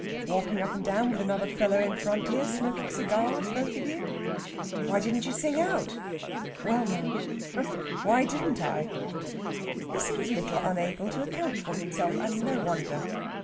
"Walking up and down with another fellow in front here. Smoking cigars, both of you." "Why didn't you sing out?" "Well, now why didn't I?" He seems a little unable to account for himself, and no wonder.